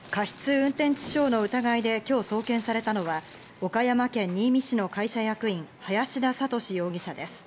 運転致傷の疑いで今日、送検されたのは岡山県新見市の会社役員、林田覚容疑者です。